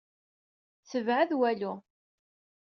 Tebɛed walu.